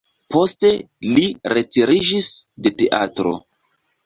Poste li retiriĝis de teatro.